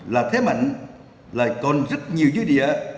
là thế mạnh là còn rất nhiều dư địa